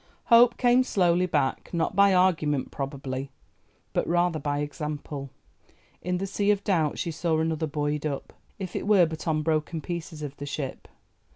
Hope came slowly back, not by argument probably, but rather by example. In the sea of Doubt she saw another buoyed up, if it were but on broken pieces of the ship.